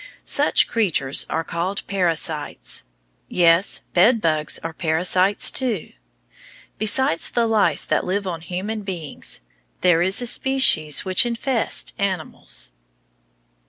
Such creatures are called parasites. Yes, bed bugs are parasites too. Besides the lice that live on human beings, there are species that infest animals.